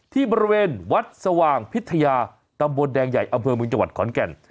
ที่บริเวณวัดสว่างพิทยาตำบลแดงใหญ่อำเภอเมืองจังหวัดขอนแก่น